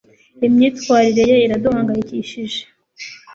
imyitwarire ye iraduhangayikishije